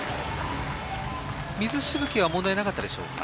水しぶきは問題なかったでしょうか。